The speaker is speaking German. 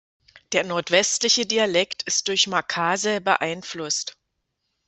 Der nordwestliche Dialekt ist durch Makasae beeinflusst.